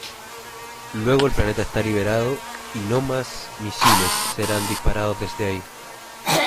Luego el planeta está liberado y no más misiles serán disparados desde ahí.